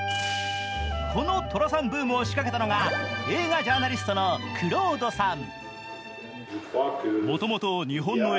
この寅さんブームを仕掛けたのが映画ジャーナリストのクロードさん。